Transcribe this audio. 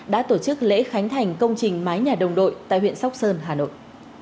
đã tổ chức lễ khánh thành công trình mái nhà đồng đội tại huyện sóc sơn hà nội